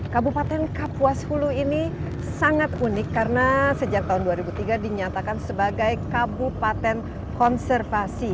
kabupaten kapuas hulu ini sangat unik karena sejak tahun dua ribu tiga dinyatakan sebagai kabupaten konservasi